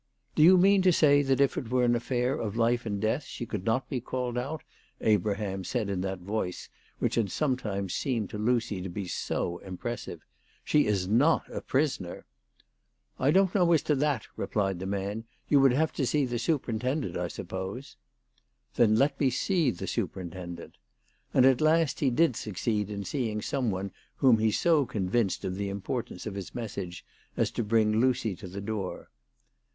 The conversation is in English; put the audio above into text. " Do you mean to say that if it were an affair of life and death she could not be called out?" Abraham asked in that voice which had sometimes seemed to Lucy to be so impressive. " She is not a prisoner !"" I don't know as to that," replied the man ;" you would have to see the superintendent, 1 suppose." " Then let me see the superintendent." And at last he did succeed in seeing some one whom he so con vinced of the importance of his message as to bring Lucy to the door.